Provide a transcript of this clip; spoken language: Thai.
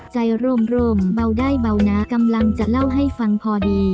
ใจโรมเบาได้เบานะกำลังจะเล่าให้ฟังพอดี